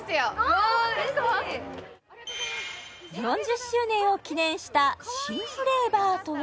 お嬉しい４０周年を記念した新フレーバーとは？